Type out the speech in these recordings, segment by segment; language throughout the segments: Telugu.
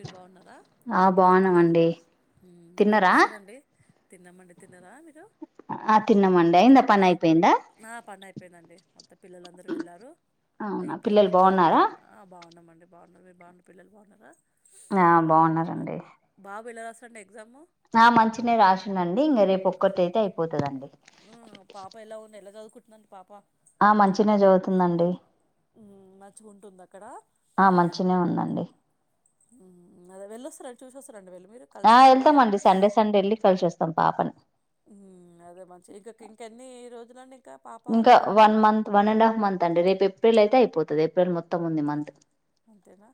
మీరు బావునర్ ఆ బాగున్నామండి ఉమ్, ఏం తిన్నారా చేస్తారండి తిన్నామండి తిన్నరా మీరు ఆ తిన్నామండి అయిందా పని అయిపోయిందా హన్ పని అయిపోయిందండి మొత్తం పిల్లలందరూ వెళ్ళారు అవునా ఇప్పుడు పిల్లలు కొంచెం బాగున్నారా ఆ బాగున్నం అండి బాగున్నర్ మీ బాబు పిల్లల్ బాగున్నారా ఆ బాగున్నారండి బాబు ఇలా రాసాడ్ అంట ఎగ్జామ్ ఆ మంచినే రాసిండ్ అండి ఇంగ రేపు ఒక్కటి అయితే అయిపోతాదండి ఉ పాప ఎలా ఉ ఎలా చదువుతుంది అండి పాప ఆ మంచినె చదువుతుందండి ఉమ్, మంచిగా ఉంటుంది అక్కడ ఆ మంచినే ఉందండి అది వెళ్లొస్తారా చూసావాస్తారా అండి వెళ్లి ఆ వెళ్తామ్ అండి సండే సండే వెళ్ళి కలిసి వస్తాం పాపని ఉమ్ అదే మంచిగా ఇంక ఇంక ఎన్ని రోజులండి ఇంకా పాప ఇంకా అక్కడ ఉండుడు one month one and half month అండి రేపు ఏప్రిల్ అయితే అయిపోతాది ఏప్రిల్ మొత్తం ఉంది మంత్ అంతేనా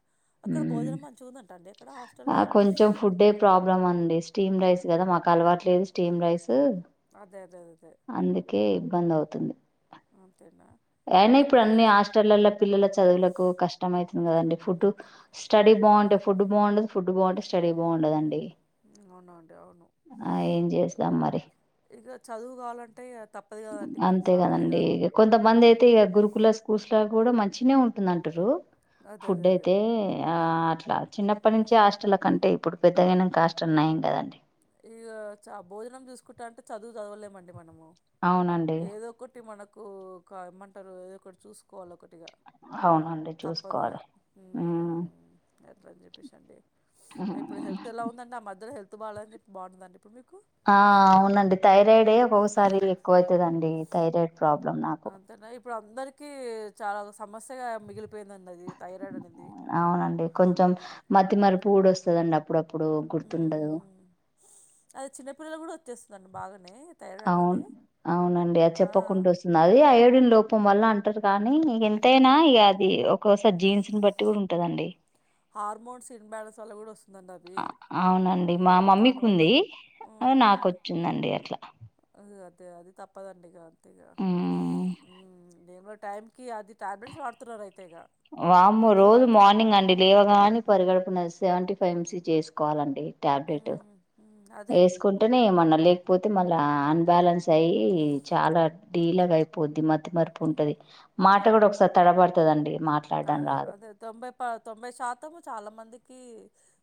అక్కడ ఉమ్ భోజనం మంచిగా ఉందంట అండి అక్కడ హాస్టల్లో ఆ కొంచెం ఫుడే ప్రాబ్లం అండి స్టీమ్ రైస్ కదా మాకు అలవాట్ లె లేదు స్టీమ్ రైసు అదే అదే అదే అదే అందుకే ఇబ్బంది అవుతుంది అంతేనా అయినా ఈ ఇప్పుడు అన్ని పిల్లలు హాస్టల్లల్లో పిల్లల చదువులకు కష్టం మైతు కదం ఫుడ్ స్టడీ బాగుంటే, ఫుడ్ బాగుండదు, ఫుడ్ బాగుంటే స్టడీ బాగుండదండి అవునండి అవును ఆ ఏం చేస్తాం మరి ఇగ చదువు కావాలంటే తప్పు అంతే కదండి ఇగ కొంతమంది మ్మ్ అయితే ఇగ గురుకుల స్కూల్స్ లా కూడా మంచినే ఉం టుంది అంటురు అదే అదే ఫుడ్ అదే అయితే ఆ అట్లా చిన్నప్పటి నుంచి హస్టల్ కంటే ఇప్పుడు పెద్దగైనంక హస్టల్ నయం కదండి ఇగ చ భోజనం చూసుకుంటా అంటే చదువు చదవలేమండి మనము అవునండి ఏదో ఒకటి మనకు కా ఏమ్మంటారు ఏదో ఒకటి చూసుకోవాల ఒకటిగా హవునండి చూసుకోవాలి ఉ ఎట్లా అని చెప్పేసి అండి ఇప్పుడు హెల్త్ ఎలా ఉందండి ఆ మధ్యాల హెల్త్ బాలే అని చెప్పి బాగుంటందండి ఇప్పుడు మీకు ఆ అవునండి థైరాయిడే ఒక్కొక్కసారి ఎక్కువ అవుతుదండి థైరాయిడ్ ప్రాబ్లమ్ నాకు అందరికి చాలా సమస్యగా మిగిలి అవునండి కొంచెం మత్తిమరుపు గూడ వస్తుందండి అప్పుడు అప్ అప్పుడు గుర్తుండదు ఉమ్ దాని బాగానే థైరాయిడ్ అనేది అవును అవునండి అది ఆ చెప్పకుండా వస్తుంది అది అయోడిన్ లోపం వల్ల అంటారు కా నీ ఇగ ఉమ్ ఎంతయినా ఇగ అది ఒక్కోసారి జీన్స్ని బట్టి కూడా ఉంటదండి హార్మోన్స్ ఇన్ బాలెన్స్ అల్ల కూడా వస్ అవునండి మా మమ్మీకి దానివల్ల ఉంది ఉమ్ ఉమ్ నాకొచ్చిందండి అట్లా అదే అది తప్పదండిగా అంతే ఇగ మ్మ్ నేను కూడా టైమ్ కి అది టాబ్లెట్స్ వాడుతున్నార అయి వామ్మో రోజు మార్నింగ్ అండి లేవగానే పరిగడ సేవేంటీ ఫైవ్ ఎమ్ సి చేసుకోవాలండి టాబ్లెట్ ఉమ్ ఉమ్ అదే వేసుకుంటేనే లేకపోతే మళ్ళీ అన్బ్యాలెన్స్ అయ్యి చాలా డీలాగా అయిపోద్ది మతి మరుపు ఉంటది మాట ఉమ్. కూడా ఒకసారి తడబడుతుందండి మాట్లాడం అదే రాదు అదే తొంభై ప తొంభై శాతము చాలా మందికి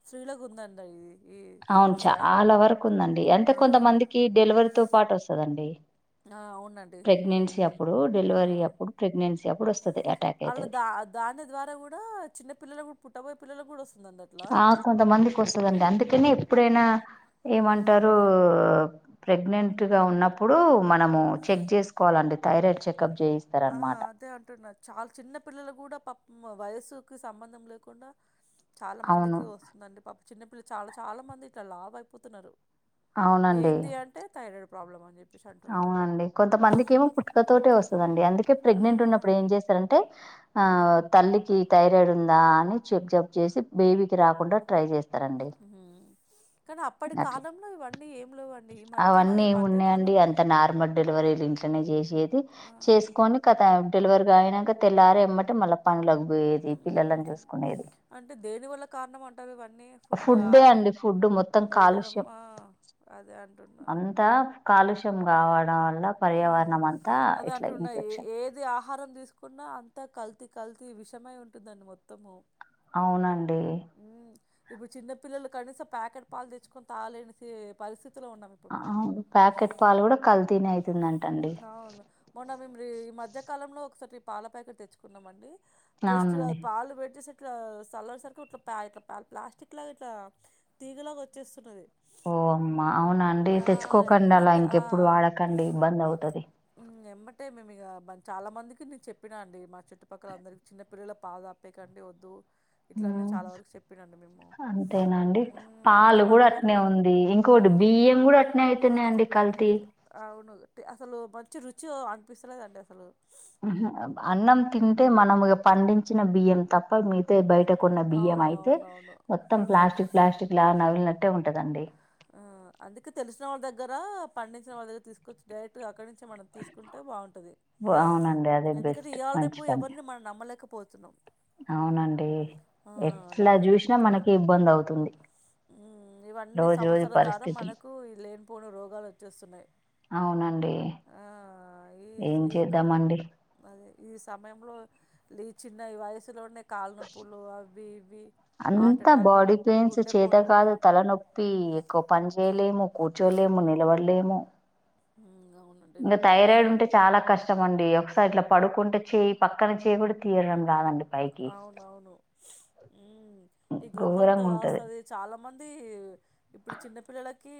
స్త్రీలాగు ఉందండి ఇది ఈ అవును సమస్య చాలా వరకు ఉందండి అంతే ఆ కొంతమందికి డెలివరీతో పాటు వస్తది అండి ఆ అవునండి ప్రెగ్నెన్సీ ఉమ్ అప్పుడు డెలివరీ అప్పుడు ప్రెగ్నెన్సీ అప్పుడు వస్ అళ్లా దా దాని ద్వారా గూడా చిన్న పిల్లలకు పుట్టబోయే పిల్లలు కూడా వస్ ఆ కొంతమందికి వస్తాది అండి అందుకనే ఎప్పుడైనా ఏమంటారు ప్రెగ్నెంట్ గా ఉన్నప్పుడు మనము చెక్ చేసుకోవాలం థైరాయిడ్ చెక్ ఆ అదే అంటున్నారు చాల చిన్న పిల్లలు కూడా పాపం వయసుకి సంబంధం లేకుండా చాలా అవును మందికి వస్తుందండి పాప చిన్నపిల్ల చాలా చాలా మంది ఇట్లా లావయిపోతున్నారు అవునండి ఏంది అంటే థైరాయిడ్ ప్రాబ్లం అని చెప్పి అవునండి కొంతమందికి ఏమో పుట్టుకతోటే వస్తుందం డి అందుకే ప్రెగ్నెంట్ ఆహా! ఉన్నప్పుడు ఏం చేస్తారంటే ఆ తల్లికి థైరాయిడ్ ఉం దా అని చెక్ జప్ చేసి బేబీకి రాకుండా ట్రై చేస్తారండి హ్మ్. కానీ అప్పటి అట్లా కాలంలో ఇవన్నీ ఏం లేవం అవన్నీ ఏమి ఉన్నాయండి అంత నార్మల్ డెలివరీలు ఇంట్లోనే చేసేది చేసుకొని కథ డెలివరి గా అయినాక తెల్లారే ఎమ్మంటే మళ్ళా పనులకి పోయేది మళ్ళ పిల్లలని మ్మ్ చూసుకునేది అంటే దేని వల్ల కారణం అంటారు ఇవన్నీ ఫుడ్ ఫుడ్డే అండి ఫుడ్ మొత్తం కాలుష్యం భోజనమా అదే అంటు అంతా కాలుష్యం కావడం అల మ్మ్ పర్యావరణం అంతా అదే ఇట్లా అంటున్నా ఏ ఇన్ఫెక్షన్ ఏది ఆహారం తీసుకున్నా అంతా కల్తీ కల్తీ విషమే ఉంటుందండి మొత్తము అవునండి మ్మ్ ఇప్పుడు చిన్న పిల్లలు కనీసం ప్యాకెట్ పాలు తెచ్చుకొని తాలేని సీ పరిస్థితి ఫిఫ్త్ లో ఉన్నము ఇప్పుడు మనము అవును ప్యాకెట్ పాలు కూడా కల్తీనే అయితుందంటండి అవును మొన్న మేం రీ మధ్య కాలం లో ఒకసారి పాల ప్యాకెట్ తెచ్చుకున్నాం అండి జస్ట్ అవునండి పాలు పెట్టేసి ఇట్లా సల్లసరికి పాకిట్లా పలు ప్లాస్టిక్ లాగా ఇట్లా తీగలాగా వచ్చేస్తున్నది ఓ అమ్మా అవున అండి ఆ! తెచ్చుకోకండి అలా ఎమ్మటే ఆ! ఇంకెప్పుడు వాడకండి ఇబ్బంది అవుతుది ఎమ్మటే మేము ఈగ బాన్ చాలా మందికి నేను చెప్పినా అండి మా చుటుపక్కల అందరికీ చిన్న పిల్లల పాలు తాప్పేకండి వద్దు ఇట్లానే చాలా వరకు చెప్పినండి మేము అంతేనండి ఉ ఇంక పాలు మాకు కూడా వేరే అట్నే వాళ్ళు ఉంది ఆ ఇంకోటి బియ్యం కూడా అట్నే అయితున్నాయండి కల్తీ అవును అసలు మ చి రుచి అనిపిస్తలేదండి అసలు అన్నం తింటే మనము పండించిన బియ్యం తప్ప మీ తే బయటకోన్న బియ్యం అవును. అయితే అవునవును. మొత్తం ప్లాస్టిక్ ప్లాస్టిక్ లా నమిలినట్టే ఉంటదండి ఆ అందుకే తెలిసిన వాళ్ళ దగ్గర పండించిన వాళ్ళ దగ్గర తీసుకొచ్చు డైరెక్ట్ అక్కడ నుం మనం తీసుకుంటే బాగుంటది అవునండి అదే ఎందుకంటే బెస్ట్ ఇవాళ మంచి రేపు పని ఎవరిని మనం నమ్మలేకపో అవునండి ఆ ఎట్లా చూసినా నమ్మలేకపోతున్నా మనకి ఇబ్బంది అవుతుంది ఉ ఇవన్నీ రోజు రోజు సమస్యల ద్వారా పరిస్థితులు మనకు ఈ లేనిపోని రోగాలు వచ్చేస్తున్నాయి అండి ఆ ఈ ఏం ఈ క- చేద్దామండి అదే ఈ సమయంలో లి చిన్న ఈ వయసులోనే కాళనొప్పులు అవి ఇవి హార్ట్ అంతా అటాక్లు బాడీ పెయిన్స్ గుండెపోటు కువ పని చేయలేము కూర్చోలేము నిలబడలేము హు ఇంకా థైరాయిడ్ ఉంటే చాలా కష్టంమండి ఒక ఇట్లా పడుకుంటే చేయి పక్కన చేయి కూడా తీయడం కాదండి అవునవును ఉ ఈ గొంతంతా ఘోరంగా ఉంటది వస్తది చాలా మం ది ఇప్పుడు చిన్న పిల్లలకి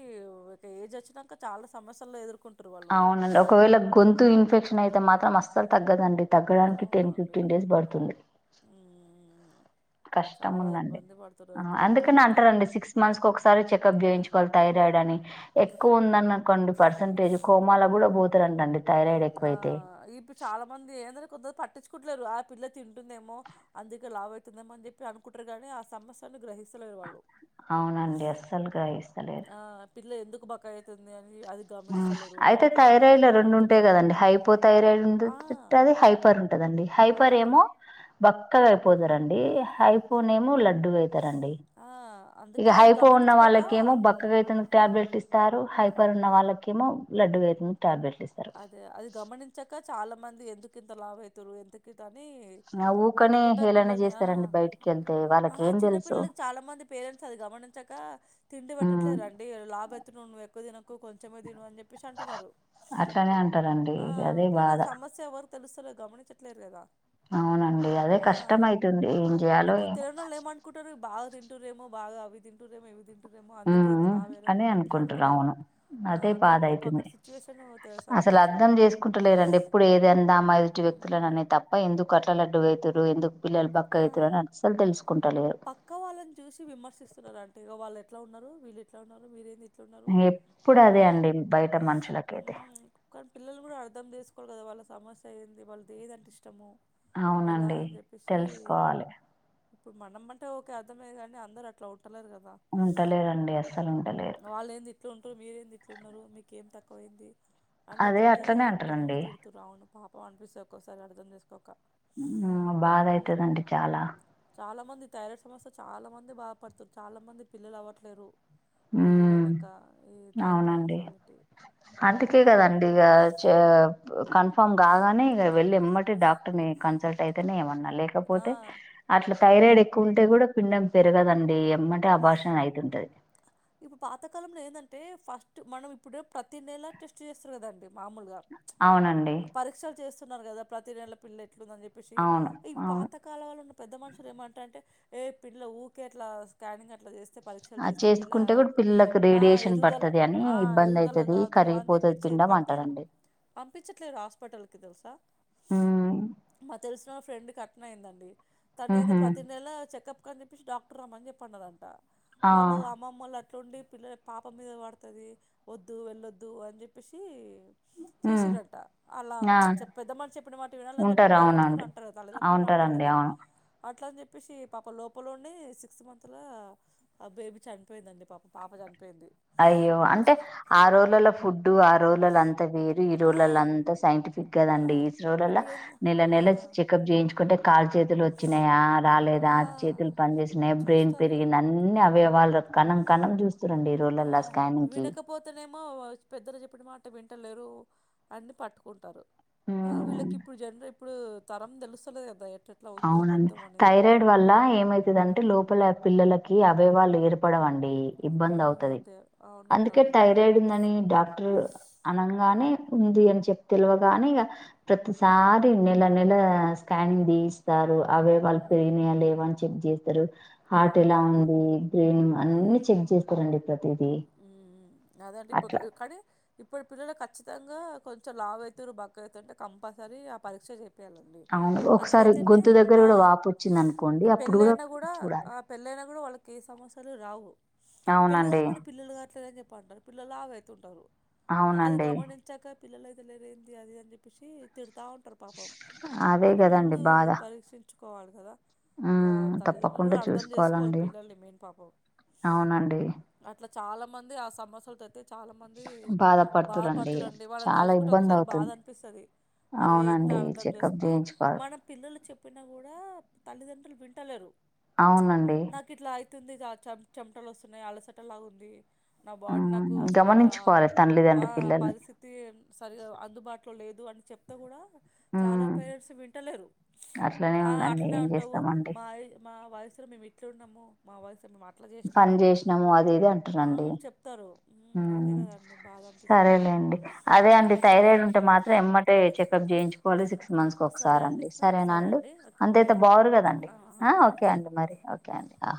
ఒక ఏజ్ వచ్చినాక చాలా సమస్యల్లో ఎదుర్కొంట అవునండి ఒకవేళ గొంతు ఇన్ఫెక్షన్ అయితే మాత్రం అస్సలు తగ్గదండి తగ్గడానికి టెన్ అవునండి ఫిఫ్టీన్ డేస్ పడుతుంది ఉమ్ చాలా కష్టంఉందండి ఇబ్బంది ఆ పడుతున్నారు ఇప్పుడు అందుకని పిల్లలైతే అంటారండి సిక్స్ మంత్స్ కు ఒకసారి చెకప్ చేయించుకోవాలి థైరాయిడ్ అని ఎక్కువ ఉందన్న అనుకోండి పర్సెంటేజ్ కోమాల కూడా పోతరంటండి ఆ ఇప్పుడు చాలా మంది ఏంద కొందరు పట్టిచుకోట్లేరు ఆ పిల్ల తింటుందేమో అందుకే లావు అవుతుందమో అని చెప్పి అనుకుంటారు గానీ ఆ సమస్య ను గ్రహిస్తలే వాళ్ళు అవునండి అస్సలు గ్రహిస్తలేరు ఆ పిల్ల ఎందుకు బక్కగా అయితుంది అని అది గమనిస్తలేరు ఎందుకు లావు అయితదని గమనించట్లేరు హైపోథైరాయిడ్ ఉంటె ఆ అది హైపర్ ఉంటదండి ఆ హైపర్ ఏమో బక్కగా పోతారండి హైపోనేమో లడ్డుగా అయితారండి ఆ ఇక అందుకే అది హైపో ఉన్న గమనించుకోక వాళ్ళకేమో బక్కగా అతున టాబ్లెట్ ఇస్తారు హైపోర్ ఉన్న ఉమ్, వాళ్ళకి లడ్డు వెయిట్ అదే అది గమనించక చాలా మంది ఎందుకింత లావు ఐతున్రు ఎందుకింత ఆ ఊకనే హేళనా ఆ చేస్తారండి బయటికెళ్ళ ఆహా చిన్నపిల్లలకు చాలా మంది పేరెంట్స్ అది గమనించక తిండి ఉమ్ పెట్టట్లేదు అండి లావు ఐత నువ్వు ఎక్కువ తినక్కు కొంచెమే తిను అనేసి అంటున్నారు నే అంటారండి అదే బాధ తెలుస్తలే గమనించట్లేదు కదా అవునండి అదే కష్టం ఐవుతుంది ఏం చేయాలో ఏమో తింటూ రేమో బాగా అవి తింటూరేమో ఇవితింటు రేమో అందుకే ఇంత లావు అయిరేమో అని చెప్పి అనుకుంటారు ఆ అదే బాధ కానీ పాపం అక్కడ అయితుంది సిచ్యువేషన్ తె అసలు సమస్య అర్థం చేసుకుంటలేరండి ఎప్పుడు ఏదందామా ఎదుటి వ్యక్తులని ఉమ్ అనే తప్ప ఎందుకు అట్లా లడ్డుగా అయితురు పిల్లల్ ఆ బక్కఐతుర్ అని అసల్ తెసుకుంట పక్క వాళ్ళని చూసి విమర్శిస్తున్నరు అంటే ఇగొ వాళ్ళు ఎట్ల ఉన్నరు వీళ్ళు ఇట్ల ఉన్నరు మీరెంది ఇ ఎప్పుడు అదే అండి బయట మనుషులకైతే ఉ కనీ పిల్లల్ గుడ అర్థం చేసుకొవాలె కద వల సమస్య అయింది వాల్ది ఏదంటే ఇష్టమో అవునండి తెలుసుకొవలె ఇప్పుడు మనం అంటే ఒకె అర్ధంలెగని కాని అందరు అట్ల ఉంటలేరండి అస్సలు ఉండలేరు ట్లు ఉంటురు మీరేంది ఇట్ల ఉన్నరు మీకేం తక్కువయింది అని అదే ఇట్లనే అట్లనే పిల్లల్ని అంటారండి తిడుతుర్ అవును పాపం అనిపిస్తది ఒకోసారి అర్థం చేసుకోక ఉ బాధ అయితదండి చాలా చాల మంది థైరయిడ్ సమస్య చాలా మంది బాధపడుతుర్ చాలా మందికి పిల్లలు అవ్వట్లేరు పెళ్ళి ఉమ్ లైనక ఈ థైరయిడ్ అవునండి సమస్య అనితిట్టిరు అందుకే కదండి ఆ ఇ చ క కన్ఫామ్ కాగానే ఇగ వెళ్ళి ఎమ్మటె డాక్టర్ని కన్సల్ట్ అయితేనే ఏమన్న ఆ లేకపోతే అట్ల థైరయిడ్ ఎక్కువ ఉంటే కూడ పిండం పెరగదండి ఏమంటే అబార్షన్ అయితుంటది ఇప్పుడు పాతకాలంలో ఏందంటే ఫస్ట్ మనం ఇప్పుడు ప్రతి నెల టెస్ట్ చేస్తర్ కదండి మామూలుగ అవునండి పరీక్షలు చేస్తున్నర్ కదా ప్రతి నెల పిల్ ట్లుందని చెప్పేసి అవును ఈ అవును పాత కాలవలన్ పెద్ద మనుషులు ఏమంటారంటే ఏ పిల్ల ఊకె అట్ల స్కానింగ్ అట్ల చేస్త ఆ చేసుకుంటే కూడా పిల్లకు ఆ రేడియేషన్ ఎదుగుదల పడుతది అని ఆ ఇబ్బంది ఎదుగుదల అయితది కాదు అని చెప్పి కరిగిపోతది చే పిల్ పంపి ఉండమంటరండి పంపించట్లేరు హాస్పిటల్కి తెలుసా ఉమ్ మాక్ తెలిసిన ఫ్రెండ్ కట్నే అయిందండి తనైతె ఉహు ప్రతి నెల చెకప్ కని చెప్పేషి డాక్టర్ రమ్మని చెప్పి అన్నదంట ఆ వాళ్ళు అమ్మమ్మల్ ఉండి పిల్లల పాపం మీదా పడుతది వద్దు ఏళ్ళొద్దు అని చెప్పేసి ఉమ్ చేసిరట అలా ఆ చ్ పెద్ద మనిషి చెప్పిన మాట వినాలని చెప్పి ఉంటారు పేరెంట్స్ గుడ అవునండి అంటరు కదా తల్లిదండ్రులు గుడా అం [unintelligible] అట్ల అనిచెప్పేసి పాపం లోపలఉండి సిక్స్త్ మంత్ ల ఆ బేబీ చనిపొయిందండి పాపం పాప చనిపొయింది అయ్యో అంటే ఆ రొజులలో ఫుడ్డు ఆ రొజులలో అం అంత వేరు ఈ ఆ ఉన్న రోరులలా రోజులలో అంత సైంటిఫిక్ కదండి ఈ రొరలలా ఇప్పుడు ఏందో నెల ఆ నెల చెకప్ చేయించుకుంటే కాళ్లు చేతులు ఒచ్చినయా ఆ రాలేదా చేతులు పని చేస్తునయ బ్రెయిన్ చూస్తారు కదా. పెరిగిందా అన్ని అవయవాల్ కణం కణం చుస్తరండి ఈ రోలల్ల స్కానింగ్ కి మావాయిస్ పెద్దలు చెప్పిన మాట వింటలేరు అని పట్టుకుంటరు ఆ ఉమ్, వీళ్ళకి ఇప్పుడు జనర్ ఇప్పుడు తరం తెలుస్తలే గదా అవునండి థైరయిడ్ వల్ల ఏమైతుందంటే లొపలా పిల్లలకి అవాయవాలు ఏర్పడవండి ఇబ్బంది ఉమ్ అవుతది అదే అవునంటా అందుకే అండి థైరయిడ్ ఉందని డాక్టర్ మ్మ్ అనంగానే ఉంది అని చెప్పి తెలవ్ కాని ఇగా ప్రతిసారి నెల నెల స్కానింగ్ తీయిస్తారు అవయవాలు పెరిగినయ లేదా అని చెక్ చేస్తరు హార్ట్ ఎలా అవునండి ఉంది బ్రెన్ అన్ని చెక్ చేస్తరండి ఉ అదండి ఇప్పుడ్ క అట్లా కనీ ఇప్పుడు పిల్లల్క్ ఖచ్చితంగా కొంచం లావ్ ఐతర్రు బక్కగా ఐతురు అంటే కంపల్సరీ ఆ పరీక్ష చె అవును ఒకసారి గొంతు దగ్గర కూడ వాపు ఒచ్చింది అనుకొ పెళ్ళయిన గుడ ఆ పెళ్ళయిన గుడ వాళ్ళకి ఏ సమస్యలు రావు అవునండి గాట్లే అనిచెప్పి అంటరు పిల్లలు లావుఐతు ఉంటరు ఆ అది అవునండి గమనించక పిల్లలు అయితలేరు ఏంది అది ఇది అని చెప్పేసి తిడ్ తా ఉంటరు పాపం అదే అంటే కదండి ముందు బాధ పరీక్షించుకొవాలి కదా ఆ ఉమ్ తల్లిదండ్రులు తప్పకుండా కూడా అర్థం చేసుకోవాలి చూసుకోవాలండి పిల్లల్ని మేన్ పాపం అవునండి చాలా మంది ఆ సమస్యలు తె అయితే చాలా మంది బాధ బాధపడుతురండి పడుతరు అండి వాళ్ళని చాలా తలుచుకుంటే ఇబ్బంది ఒక్కోసారి బాధ అవుతుంది అనిపిస్తది అరే ఇంత అవునండి అర్ధం చెకప్ చేసుకో చేయించుకోవాలి మనం పిల్లలు చెప్పిన కూడా తల్లిదండ్రులు వింటలేరు అవునండి తుందిగా చెం చెమ్టలు వస్తున్నాయి అలసట లాగా ఉంది నా బాడీ మ్ నాకు చాలా గమనించుకోవాలి ఆ తల్లిదండ్రి పిల్లల్ని పరిస్థితి సరి అందుబాటు టులో లేదు అని చెప్తే కూడా చాలా మ్ పేరెంట్స్ వింటలేరు అట్లనే ఆ ఉందండి అట్లనే ఏం అంటవు చేస్తామండి మా మా వయసులో మేము ఇట్లే ఉన్నాము మా వయసులో మేము అట్లా చేసినము ఇదే అంటరండి అదే మ్ కదండి బాధ అనిపిస్తుంది సరేలేండి అదే అండి మ్మ్ తై సరే రాయిడ్ ఉంటే మాత్రం ఎమ్మటే చెకప్ ఆ, చేయించుకోవాలి సిక్స్ మంత్స్ కి సరే ఒకసారి అండి సరేన సరే అండి ఓకే అంతే బాయ్ తప్ప అండి పవర్ కదండి ఆ, ఆ, బాయ్ ఓకే అండి మరి ఓకే అండి ఆ